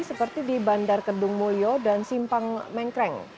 seperti di bandar kedung mulyo dan simpang mengkring